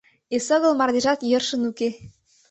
Эсогыл мардежат йӧршын уке.